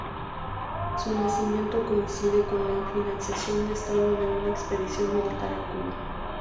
Su nacimiento coincide con la financiación al Estado de una expedición militar a Cuba.